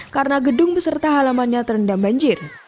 karena gedung beserta halamannya terendam banjir